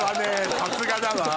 さすがだわ！